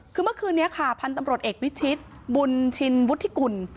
คือเมื่อคืนนี้ค่ะพันธุ์ตำรวจเอกวิชิตบุญชินวุฒิกุล